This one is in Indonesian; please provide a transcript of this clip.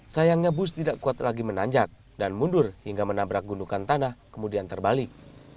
sayangnya bus tidak kuat lagi menanjak dan mundur hingga menabrak gundukan tanah kemudian terbalik